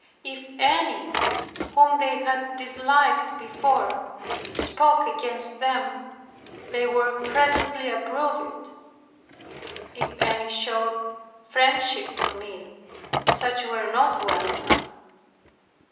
If any, whom they had disliked before, spoke against them, they were presently approved of. If any showed friendship to me, such were not welcome.